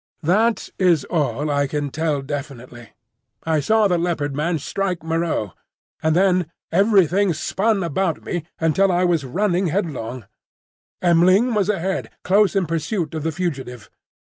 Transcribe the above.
That is all I can tell definitely. I saw the Leopard man strike Moreau, and then everything spun about me until I was running headlong. M'ling was ahead, close in pursuit of the fugitive.